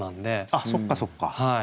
あっそっかそっか。